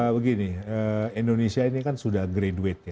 begini indonesia ini kan sudah graduate ya